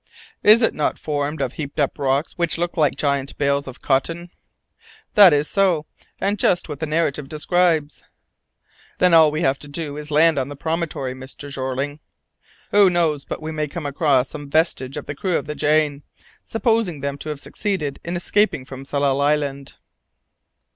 "Is it not formed of heaped up rocks which look like giant bales of cotton?" "That is so, and just what the narrative describes." "Then all we have to do is to land on the promontory, Mr. Jeorling. Who knows but we may come across some vestige of the crew of the Jane, supposing them to have succeeded in escaping from Tsalal Island."